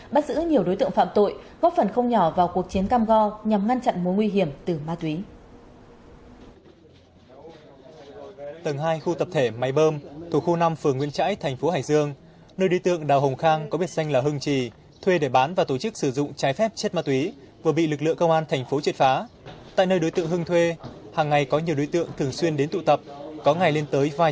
bắt giữ nhiều đối tượng phạm tội góp phần không nhỏ vào cuộc chiến cam go nhằm ngăn chặn mối nguy hiểm từ ma túy